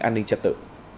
an ninh chất tử